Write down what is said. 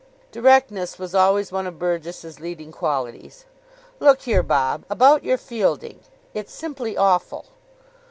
Directness was always one of Burgess's leading qualities. "Look here, Bob. About your fielding. It's simply awful."